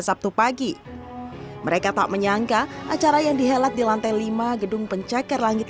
sabtu pagi mereka tak menyangka acara yang dihelat di lantai lima gedung pencakar langit